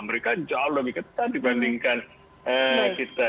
mereka jauh lebih ketat dibandingkan kita